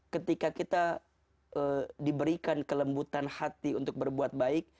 ketika kita diberikan kelembutan hati untuk berbuat baik